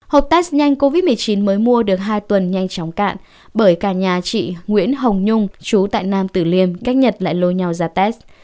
hộp test nhanh covid một mươi chín mới mua được hai tuần nhanh chóng cạn bởi cả nhà chị nguyễn hồng nhung chú tại nam tử liêm cách nhật lại lôi nhau ra test